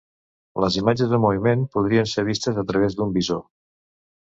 Les imatges en moviment podien ser vistes a través d'un visor.